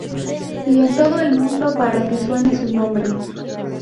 Y en todo el mundo para que suene su nombre.